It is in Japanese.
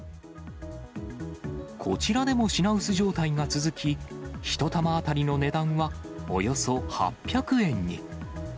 こちらでも品薄状態が続き、１玉当たりの値段はおよそ８００円に。